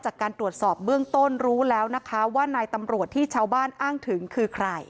จากการตรวจสอบเบื้องต้นรู้แล้วนะคะว่านายตำรวจที่ชาวบ้านอ้างถึงคือใคร